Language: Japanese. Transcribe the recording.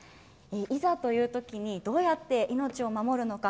いざというときにどうやって命を守るのか。